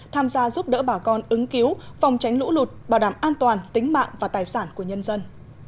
tham gia giúp đỡ bà con ứng cứu phòng tránh lũ lụt bảo đảm an toàn tính mạng và tài sản của nhân dân